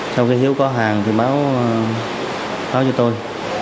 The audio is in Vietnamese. sau khi hiếu có hàng thì báo cho tôi